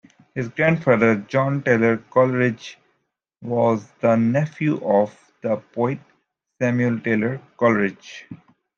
His grandfather, John Taylor Coleridge, was the nephew of the poet Samuel Taylor Coleridge.